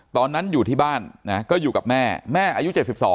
ตอนนั้นอยู่ที่บ้านนะก็อยู่กับแม่แม่อายุ๗๒